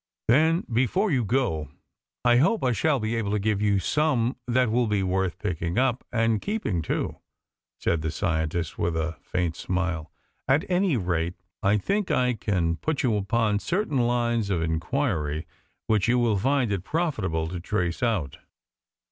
"Then before you go I hope I shall be able to give you some that will be worth picking up, and keeping too," said the scientist with a faint smile; "at any rate, I think I can put you upon certain lines of enquiry which you will find it profitable to trace out."